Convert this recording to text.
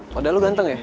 padahal lo ganteng ya